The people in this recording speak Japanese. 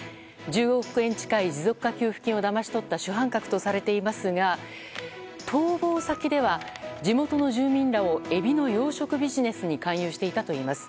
１０億円近い持続化給付金をだまし取った主犯格とされていますが逃亡先では地元の住民らをエビの養殖ビジネスに勧誘していたといいます。